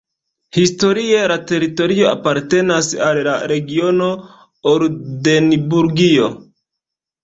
Historie la teritorio apartenas al la regiono Oldenburgio.